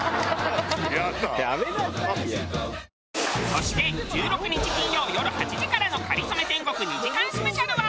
そして１６日金曜よる８時からの『かりそめ天国』２時間スペシャルは。